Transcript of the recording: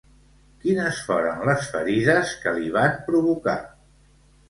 Quines foren les ferides que li van provocar?